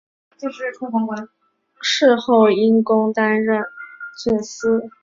事后因公担任金崎城主并就任敦贺郡司。